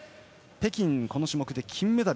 北京でこの種目を金メダル。